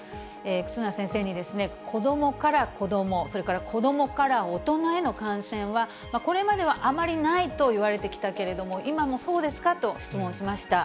忽那先生に、子どもから子ども、それから子どもから大人への感染は、これまではあまりないといわれてきたけれども、今もそうですかと質問しました。